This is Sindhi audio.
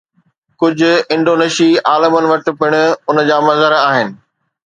ڪجهه انڊونيشي عالمن وٽ پڻ ان جا مظهر آهن.